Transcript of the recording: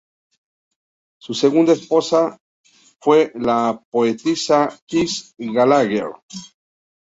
Su segunda esposa fue la poetisa Tess Gallagher.